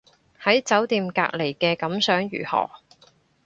喺酒店隔離嘅感想如何